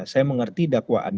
saya mengerti dakwa